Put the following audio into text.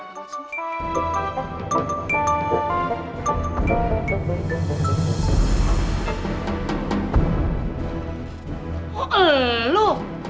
oh enggh lu